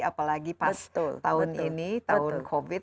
apalagi pas tahun ini tahun covid